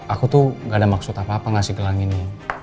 aku tuh gak ada maksud apa apa ngasih gelang ini